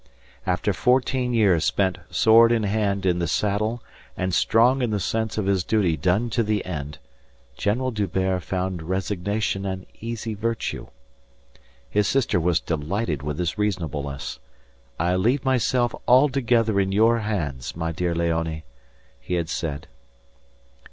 After fourteen years spent sword in hand in the saddle and strong in the sense of his duty done to the end, General D'Hubert found resignation an easy virtue. His sister was delighted with his reasonableness. "I leave myself altogether in your hands, my dear Léonie," he had said.